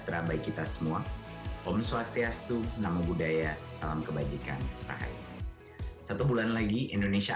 terima kasih pena valor harus